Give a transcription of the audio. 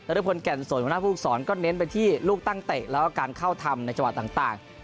และด้วยผลแก่นส่วนพุทธศรก็เน้นเป็นที่ลูกตั้งเตะแล้วการเข้าทำในจังหวัดต่าง